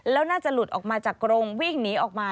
แล้วน่าจะหลุดออกมาจากกรงวิ่งหนีออกมา